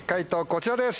こちらです。